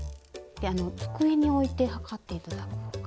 机に置いて測って頂くほうが。